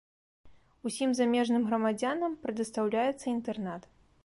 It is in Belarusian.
Усім замежным грамадзянам прадастаўляецца інтэрнат.